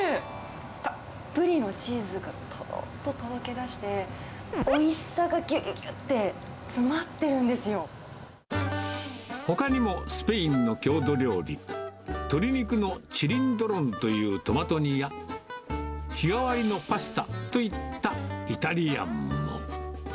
たっぷりのチーズがとろっととろけだして、おいしさがぎゅぎゅぎほかにもスペインの郷土料理、鶏肉のチリンドロンというトマト煮や、日替わりのパスタといったイタリアンも。